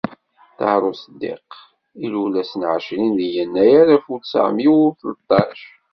Ṭaher Useqqiq, ilul ass n εecrin deg yennayer alef u tesεemya u tleṭṭac.